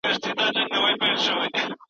سوداګر د مالونو په پلورلو اخته دي.